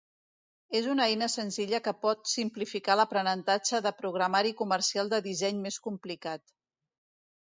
És una eina senzilla que pot simplificar l'aprenentatge de programari comercial de disseny més complicat.